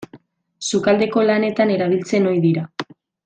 Sukaldeko lanetan erabiltzen ohi dira.